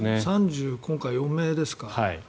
今回、３４名ですか。